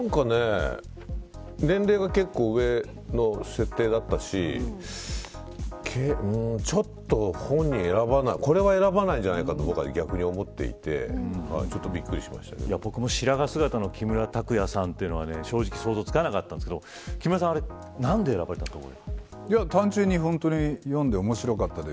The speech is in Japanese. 年齢が、結構上の設定だったしちょっと本人選ばないこれは選ばないんじゃないかと僕は、逆に思っていてちょっとびっくり思ったけど僕も白髪姿の木村拓哉さんはちょっと想像がつかなかったんですけど木村さんは何で選ばれたんですか。